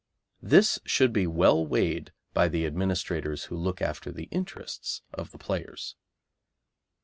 This should be well weighed by the administrators who look after the interests of the players.